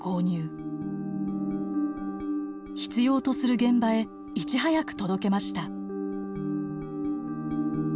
必要とする現場へいち早く届けました。